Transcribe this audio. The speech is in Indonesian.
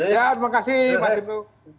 ya terima kasih pak hipnu